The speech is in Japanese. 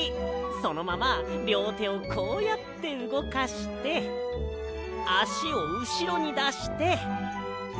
そのままりょうてをこうやってうごかしてあしをうしろにだして。